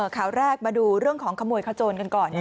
ข่าวแรกมาดูเรื่องของขโมยขโจนกันก่อน